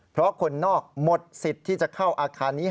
เพราะคนนอกหมดสิทธิ์ที่จะเข้าอาคารนี้